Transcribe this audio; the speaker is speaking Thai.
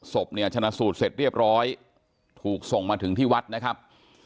ศพเนี่ยชนะสูตรเสร็จเรียบร้อยถูกส่งมาถึงที่วัดนะครับ